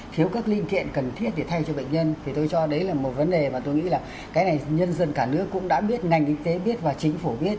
thiếu các linh kiện cần thiết để thay cho bệnh nhân thì tôi cho đấy là một vấn đề mà tôi nghĩ là cái này nhân dân cả nước cũng đã biết ngành y tế biết và chính phủ biết